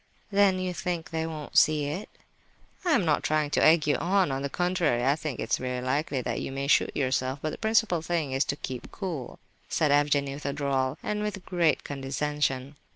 "Then you think they won't see it?" "I am not trying to egg you on. On the contrary, I think it very likely that you may shoot yourself; but the principal thing is to keep cool," said Evgenie with a drawl, and with great condescension.